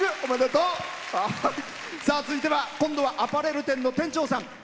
続いては今度はアパレル店の店長さん。